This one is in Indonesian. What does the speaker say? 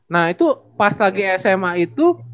nah itu pas lagi sma itu